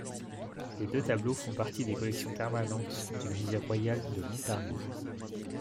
Les deux tableaux font partie des collections permanentes du musée royal de l'Ontario.